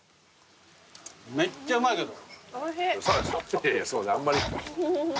めっちゃうまいけど。